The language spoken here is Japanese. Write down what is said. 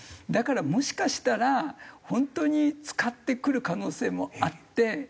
だからもしかしたら本当に使ってくる可能性もあって。